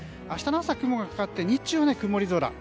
明日の朝、雲がかかって日曜は曇り空。